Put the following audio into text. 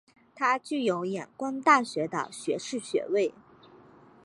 他具有仰光大学的学士学位。